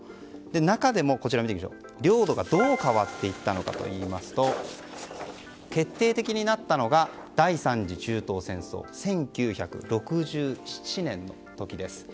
中でも領土がどう変わっていったのかといいますと決定的になったのが第３次中東戦争１９６７年の時です。